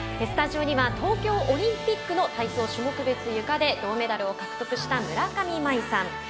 スタジオには東京オリンピックの体操種目別ゆかで銅メダルを獲得した村上茉愛さん。